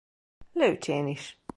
Lőcsén is.